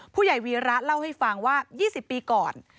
วีระเล่าให้ฟังว่า๒๐ปีก่อน